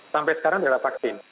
sampai sekarang tidak ada vaksin